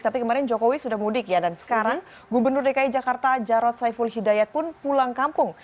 tapi kemarin jokowi sudah mudik ya dan sekarang gubernur dki jakarta jarod saiful hidayat pun pulang kampung